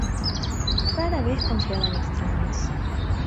Rara vez confiaba en extraños.